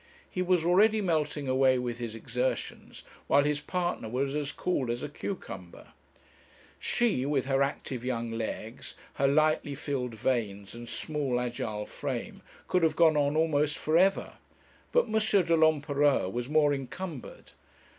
He was already melting away with his exertions, while his partner was as cool as a cucumber. She, with her active young legs, her lightly filled veins, and small agile frame, could have gone on almost for ever; but M. de l'Empereur was more encumbered.